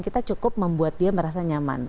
kita cukup membuat dia merasa nyaman